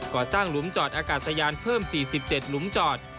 ก่อสร้างหลุมจอดอากาศยานเพิ่ม๔๗หลุมจอด